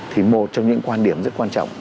thì một trong những quan điểm rất quan trọng